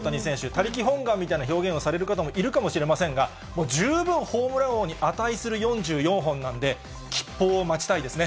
他力本願みたいな表現をする方もいるかもしれませんが、十分ホームラン王に値する４４本なんで、吉報を待ちたいですね。